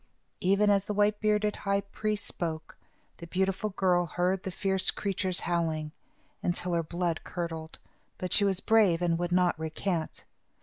Even as the white bearded high priest spoke, the beautiful girl heard the fierce creatures howling, until her blood curdled, but she was brave and would not recant.